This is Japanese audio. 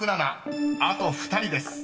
［あと２人です。